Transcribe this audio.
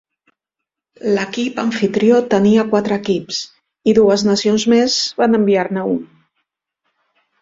L'equip amfitrió tenia quatre equips, i dues nacions més van enviar-ne un.